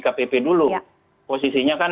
kpp dulu posisinya kan